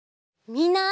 みんな。